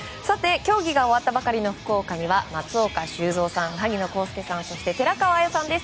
競技が終わったばかりの福岡には松岡修造さん、萩野公介さんそして寺川綾さんです。